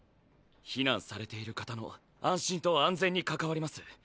避難されている方の安心と安全に関わります。